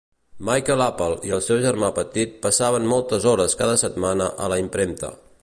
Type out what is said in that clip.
Michael Apple i el seu germà petit passaven moltes hores cada setmana a la impremta.